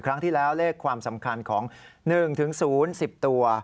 ครั้งที่แล้วเลขความสำคัญของ๑๐๑๐ตัว